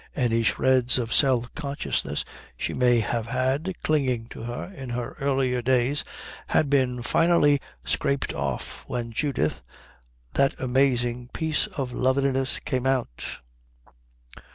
Any shreds of self consciousness she may have had clinging to her in her earlier days had been finally scraped off when Judith, that amazing piece of loveliness, came out.